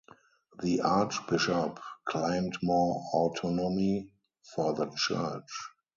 The archbishop claimed more autonomy for the church.